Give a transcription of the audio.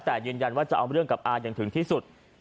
แล้วแต่เย็นว่าจะเอาเรื่องกับอาร์อย่างถึงที่สุด